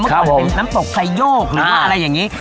ก่อนเป็นน้ำตกไฟโยกหรือว่าอะไรอย่างนี้